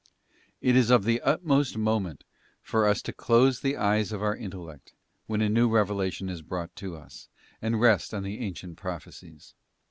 It is of the utmost moment for us to close the eyes of our intellect, when a new revelation is brought to us, and rest on the ancient prophecies.